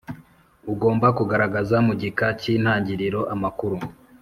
Ugomba kugaragaza mu gika cy’intangiriro amakuru